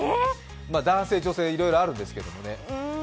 男性、女性いろいろあるんですけどね。